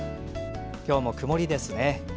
今日も曇りですね。